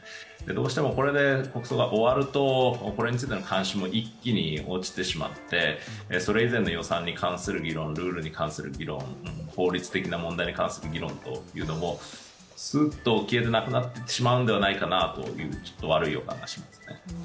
どうしてもこれで国葬が終わると国葬に関する関心が落ちてしまってそれ以前の予算に関する議論、ルールに関する議論、法律的な問題に関する議論というのをずっと消えてなくなってしまうのではないかなという悪い予感がしますね。